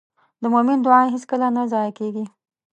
د مؤمن دعا هېڅکله نه ضایع کېږي.